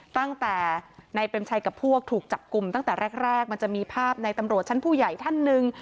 ตั้งแต่นายเปรมชัยกับพวกถูกจับกลุ่มตั้งแต่แรกมันจะมีภาพในตำรวจชั้นผู้ใหญ่ท่านหนึ่ง